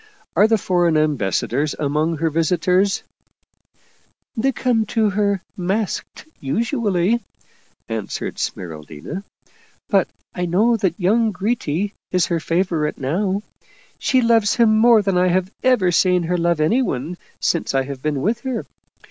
Are the foreign ambassadors among her visitors ?"" They come to her masked, usually," answered Smeral dina. " But I know that young Gritti is her favorite now ; she loves him more than I have ever seen her love anyone since I have been with her.